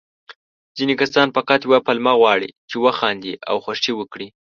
ځيني کسان فقط يوه پلمه غواړي، چې وخاندي او خوښي وکړي.